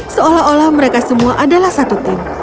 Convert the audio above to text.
seolah olah mereka semua adalah satu tim